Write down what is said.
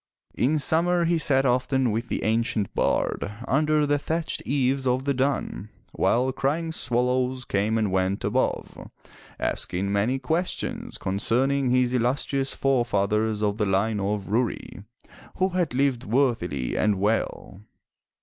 In summer he sat often with the ancient bard under the thatched eaves of the dun, while crying swallows came and went above, asking many questions concerning his illustrious forefathers of the line of Rury, — who had lived worthily and well?